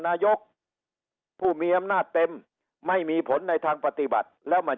นายกผู้มีอำนาจเต็มไม่มีผลในทางปฏิบัติแล้วมา